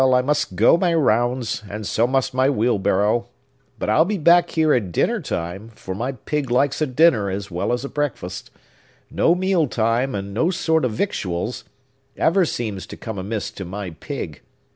I must go my rounds, and so must my wheelbarrow. But I'll be back here at dinner time; for my pig likes a dinner as well as a breakfast. No meal time, and no sort of victuals, ever seems to come amiss to my pig.